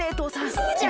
そうじゃ。